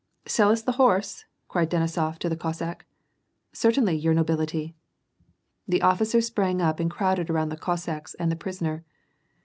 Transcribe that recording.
Sell us the horse ?" cried Denisof to the Cossack. " Certainly, your nobility." The officers sprang up and crowded around the Cossacks and the prisoner.